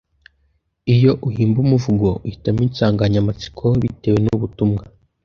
Iyo uhimba umuvugo, uhitamo insanganyamatsiko bitewe n’ubutumwa